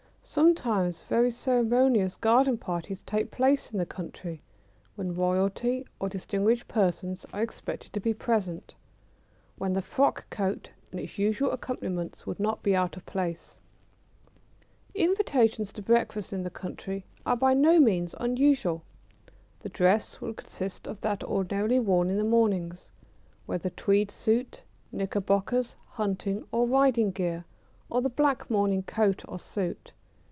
Sometimes very ceremonious garden parties take place in the country, when Royalty or distinguished persons are expected to be present, when the frock coat and its usual accompaniments would not be out of place. [Sidenote: Invitations to breakfast.] Invitations to breakfast in the country are by no means unusual. The dress would consist of that ordinarily worn in the mornings, whether tweed suit, knickerbockers, hunting or riding gear, or the black morning coat or suit.